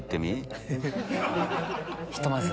ひとまず。